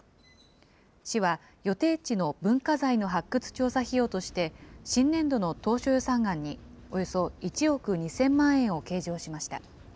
市は予定地の文化財の発掘調査費用として、新年度の当初予算案に、およそ１億２０００万円を計上しました。